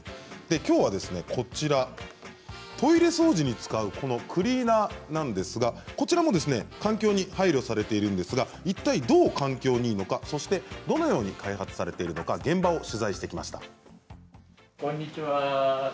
きょうはトイレ掃除に使うクリーナーなんですがこちらも環境に配慮されているんですが、いったいどう環境にいいのかそしてどのように開発されているのか現場を取材してきました。